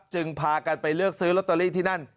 พากันไปเลือกซื้อลอตเตอรี่ที่นั่น